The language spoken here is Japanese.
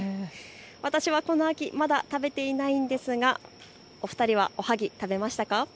私はこの秋、まだ食べていないんですがお２人は、おはぎ、食べましたか。